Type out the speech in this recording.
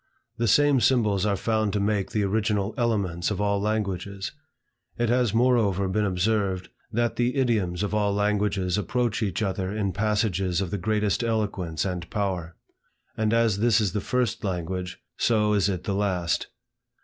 The same symbols are found to make the original elements of all languages. It has moreover been observed, that the idioms of all languages approach each other in passages of the greatest eloquence and power. And as this is the first language, so is it the last.